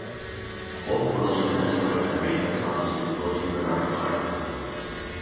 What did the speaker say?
Both William and his brother Henry had sons named William Barnard Clarke.